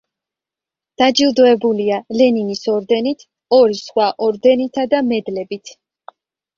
დაჯილდოებულია ლენინის ორდენით, ორი სხვა ორდენითა და მედლებით.